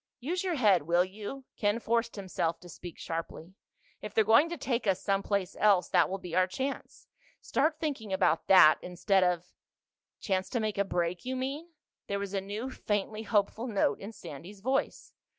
"Use your head, will you?" Ken forced himself to speak sharply. "If they're going to take us some place else, that will be our chance. Start thinking about that, instead of—" "Chance to make a break, you mean?" There was a new, faintly hopeful note in Sandy's voice.